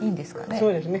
そうですね。